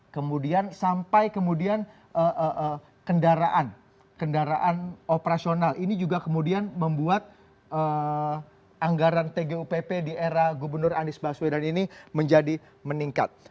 kemudian sampai kemudian kendaraan kendaraan operasional ini juga kemudian membuat anggaran tgupp di era gubernur anies baswedan ini menjadi meningkat